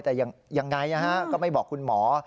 แต่ยังไงก็ไม่บอกคุณหมอ